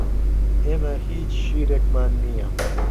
ئێمە هیچ شیرێکمان نییە.